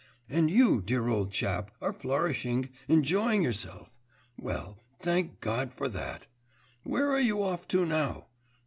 And you, dear old chap, are flourishing, enjoying yourself! Well, thank God for that! Where are you off to now?...